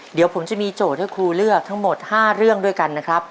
เดี๋ยวผมจะมีโจทย์ให้ครูเลือกทั้งหมด๕เรื่องด้วยกันนะครับ